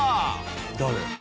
誰？